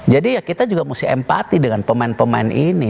jadi ya kita juga mesti empati dengan pemain pemain ini